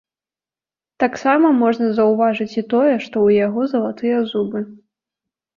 Таксама можна заўважыць і тое, што ў яго залатыя зубы.